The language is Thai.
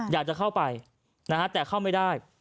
อยากจะเข้าไปนะฮะแต่เข้าไม่ได้